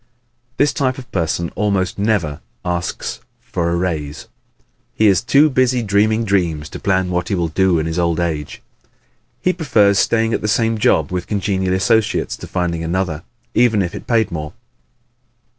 This type of person almost never asks for a raise. He is too busy dreaming dreams to plan what he will do in his old age. He prefers staying at the same job with congenial associates to finding another even if it paid more.